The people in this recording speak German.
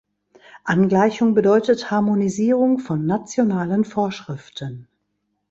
Angleichung bedeutet Harmonisierung von nationalen Vorschriften.